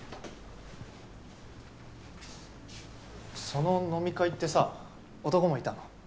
その飲み会ってさ男もいたの？